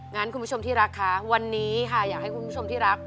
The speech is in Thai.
งั้นคุณผู้ชมที่รักคะวันนี้ค่ะอยากให้คุณผู้ชมที่รัก